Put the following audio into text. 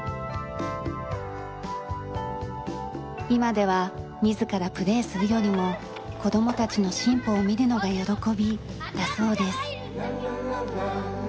今では「自らプレーするよりも子供たちの進歩を見るのが喜び」だそうです。